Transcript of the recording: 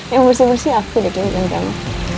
yang bersih bersih aku gitu kan kamu